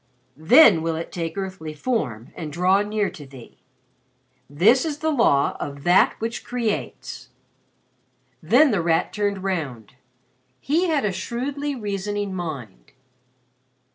Then will it take earthly form and draw near to thee._ "'This is the Law of That which Creates.'" Then The Rat turned round. He had a shrewdly reasoning mind.